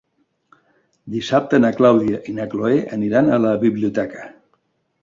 Dissabte na Clàudia i na Cloè aniran a la biblioteca.